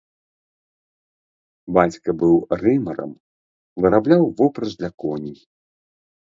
Бацька быў рымарам, вырабляў вупраж для коней.